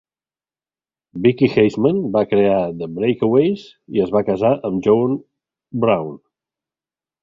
Vicky Haseman va crear The Breakaways i es va casar amb Joe Brown.